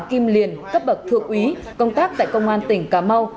kim liền cấp bậc thượng úy công tác tại công an tỉnh cà mau